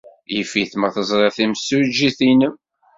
Yif-it ma teẓrid timsujjit-nnem.